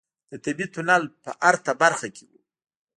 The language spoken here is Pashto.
د طبيعي تونل په ارته برخه کې و.